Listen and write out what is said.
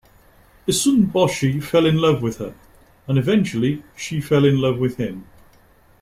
Issun-boshi fell in love with her, and eventually she fell in love with him.